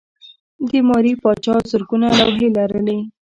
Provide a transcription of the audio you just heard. د ماري پاچا زرګونه لوحې لرلې.